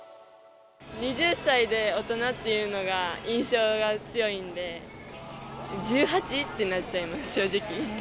２０歳で大人っていうのが印象が強いんで、１８？ってなっちゃいます、正直。